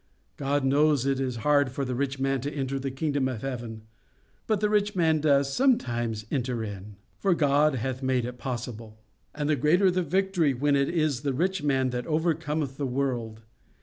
God knows it is hard for the rich man to enter into the kingdom of heaven; but the rich man does sometimes enter in; for God hath made it possible. And the greater the victory, when it is the rich man that overcometh the world.